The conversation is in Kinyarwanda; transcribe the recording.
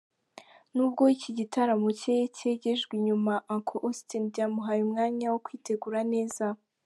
N’ubwo iki gitaramo cye cyegejwe inyuma, Uncle Austin byamuhaye umwanya wo kwitegura neza.